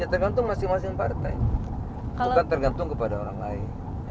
ya tergantung masing masing partai itu kan tergantung kepada orang lain